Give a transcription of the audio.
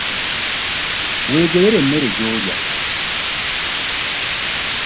Wegerere emmere gyolya.